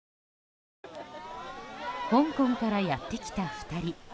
香港からやってきた２人。